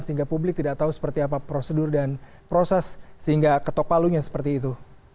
sehingga publik tidak tahu seperti apa prosedur dan proses sehingga ketok palunya seperti itu